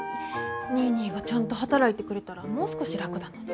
ニーニーがちゃんと働いてくれたらもう少し楽だのに。